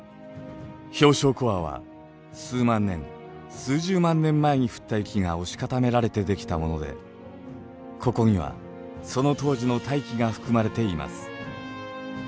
氷床コアは数万年数十万年前に降った雪が押し固められて出来たものでここにはその当時の大気が含まれています。